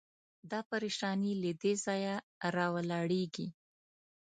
دا پرېشاني له دې ځایه راولاړېږي.